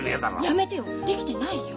やめてよデキてないよ。